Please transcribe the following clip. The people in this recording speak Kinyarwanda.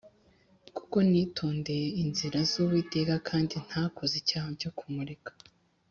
Kuko nitondeye inzira z’uwiteka ,kandi ntakoze icyaha cyo kumureka